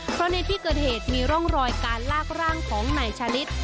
เพราะในที่เกิดเหตุมีร่องรอยการลากร่างของนายชาลิศ